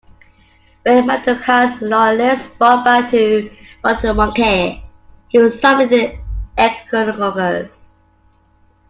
When Mandukhai's loyalists brought back Batumongke, he was suffering echinococcus.